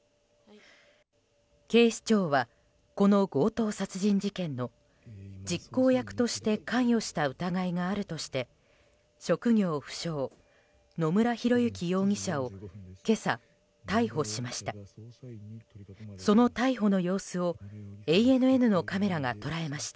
警視庁はこの強盗殺人事件の実行役として関与した疑いがあるとして職業不詳、野村広之容疑者を今朝、逮捕しました。